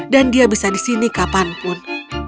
dan dia bisa di sini kapanpun